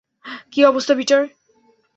কী অবস্থা, পিটার?